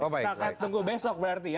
kita akan tunggu besok berarti ya